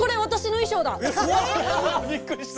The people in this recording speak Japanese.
びっくりした！